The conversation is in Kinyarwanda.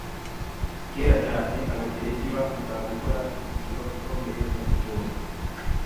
Kera cyane., Abagereki bakundaga gukora imikino ikomeye ya siporo .